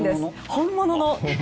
本物の。